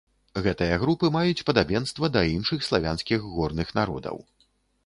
Гэтыя групы маюць падабенства да іншых славянскіх горных народаў.